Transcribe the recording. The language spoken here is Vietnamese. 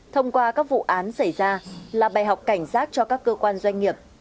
thông qua các vụ án xảy ra là bài học cảnh giác cho các cơ quan doanh nghiệp